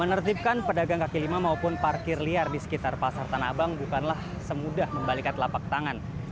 menertibkan pedagang kaki lima maupun parkir liar di sekitar pasar tanah abang bukanlah semudah membalikan lapak tangan